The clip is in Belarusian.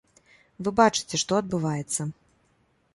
Вы бачыце, што адбываецца.